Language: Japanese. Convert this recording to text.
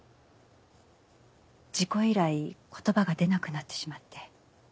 事故以来言葉が出なくなってしまって。